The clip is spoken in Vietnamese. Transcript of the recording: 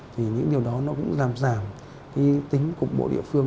thì những điều đó nó cũng làm giảm cái tính cục bộ địa phương